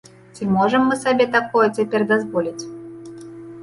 Ці можам мы сабе такое цяпер дазволіць?